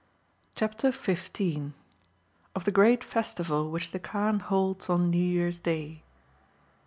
CHAPTER XV. Of the Great Festival which the Kaan holds ox New Year's Day.